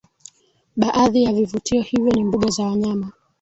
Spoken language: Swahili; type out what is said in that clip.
baadhi ya vivutio hivyo ni mbuga za wanyama